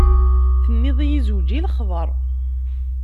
Tenniḍ-iyi zewǧ i lexḍer.